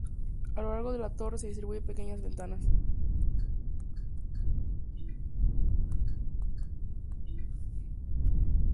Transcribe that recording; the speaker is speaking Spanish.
A lo largo de la torre se distribuyen pequeñas ventanas.